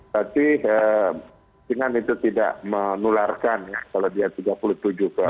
tapi dengan itu tidak menularkan ya kalau dia tiga puluh tujuh ke atas